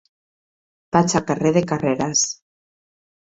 Vaig al carrer de Carreras.